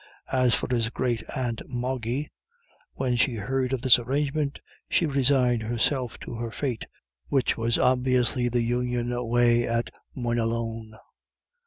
As for his great aunt Moggy, when she heard of this arrangement, she resigned herself to her fate, which was obviously the Union away at Moynalone.